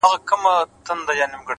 • په نقشو د شیطانت کي بریالی سو ,